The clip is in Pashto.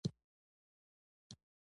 ښه خلک درته خوشالۍ او بد خلک تجربې درکوي.